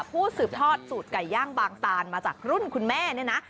สืบทอดสูตรไก่ย่างบางตานมาจากรุ่นคุณแม่เนี่ยนะ